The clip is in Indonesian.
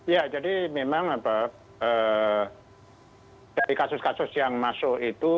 ya jadi memang dari kasus kasus yang masuk itu